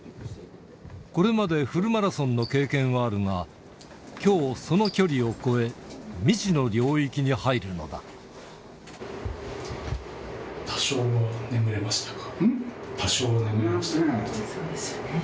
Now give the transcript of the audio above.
これまでフルマラソンの経験はあるが、きょう、その距離を超え、多少は眠れましたか？